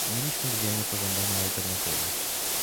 Mieliśmy dwie niepożądane alternatywy